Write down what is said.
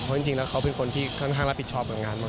เพราะจริงแล้วเขาเป็นคนที่ค่อนข้างรับผิดชอบกับงานมาก